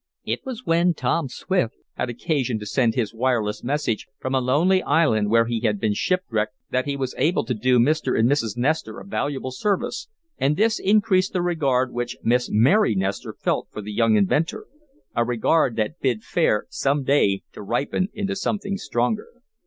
It was when Ton Swift had occasion to send his wireless message from a lonely island where he had been shipwrecked that he was able to do Mr. and Mrs. Nestor a valuable service, and this increased the regard which Miss Mary Nestor felt for the young inventor, a regard that bid fair, some day, to ripen into something stronger.